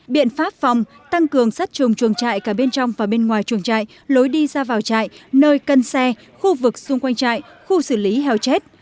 biện pháp phòng tăng cường sát trùng chuồng trại cả bên trong và bên ngoài chuồng trại lối đi ra vào trại nơi cân xe khu vực xung quanh trại khu xử lý heo chết